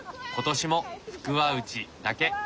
今年も「福は内」だけ。